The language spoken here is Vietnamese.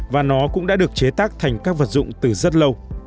và nó cũng đã được chế tác thành các vật dụng từ rất lâu